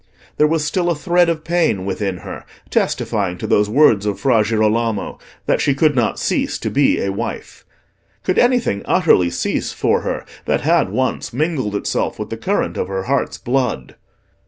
There was still a thread of pain within her, testifying to those words of Fra Girolamo, that she could not cease to be a wife. Could anything utterly cease for her that had once mingled itself with the current of her heart's blood?